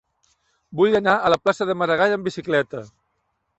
Vull anar a la plaça de Maragall amb bicicleta.